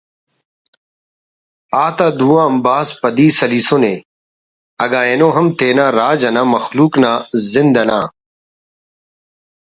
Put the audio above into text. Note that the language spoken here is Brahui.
آتا دو آن بھاز پدی سلیسنے اگہ اینو ہم تینا راج انا مخلوق نازند انا